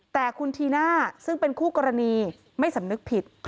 แต่คุณธีน่าซึ่งเป็นคู่กรณีไม่สำนึกผิด